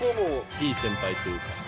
いい先輩というか。